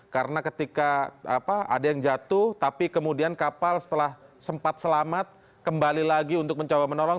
karena ketika ada yang jatuh tapi kemudian kapal setelah sempat selamat kembali lagi untuk mencoba menolong